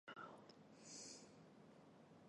直刺藤橘为芸香科单叶藤橘属下的一个种。